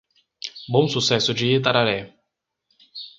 Bom Sucesso de Itararé